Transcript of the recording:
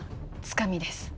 つかみです